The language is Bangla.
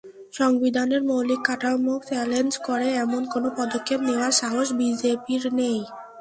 সংবিধানের মৌলিক কাঠামোকে চ্যালেঞ্জ করে, এমন কোনো পদক্ষেপ নেওয়ার সাহস বিজেপির নেই।